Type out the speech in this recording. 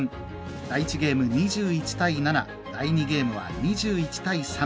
第１ゲーム、２１対７第２ゲームは２１対３。